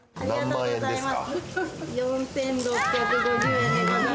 ありがとうございます。